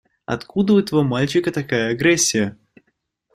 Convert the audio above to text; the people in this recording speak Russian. Откуда у этого мальчика такая агрессия?